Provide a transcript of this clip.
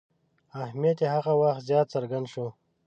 اهمیت یې هغه وخت زیات څرګند شو.